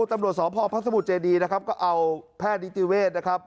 ตำรวจสพพระสมุทรเจดีนะครับก็เอาแพทย์นิติเวศนะครับ